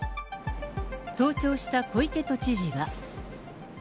登庁した小池都知事は。